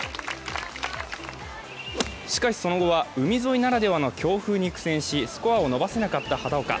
しかし、その後は海沿いならではの強風に苦戦し、スコアを伸ばせなかった畑岡。